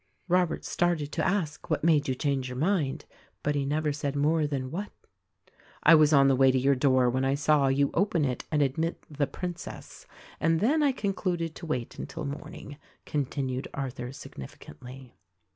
Robert started to ask, What made you change your mind? But he never said more than "What." "I was on the way to your door when I saw you open it and admit 'The Princess'; and then I concluded to wait until morning," continued Arthur significantly.